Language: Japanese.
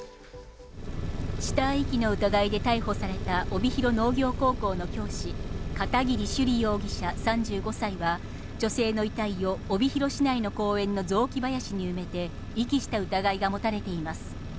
死体遺棄の疑いで逮捕された帯広農業高校の教師・片桐朱璃容疑者３５歳は女性の遺体を帯広市内の公園の雑木林に埋めて遺棄した疑いが持たれています。